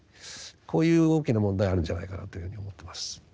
こういう大きな問題があるんじゃないかなというふうに思ってます。